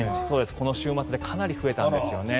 この週末でかなり増えたんですよね。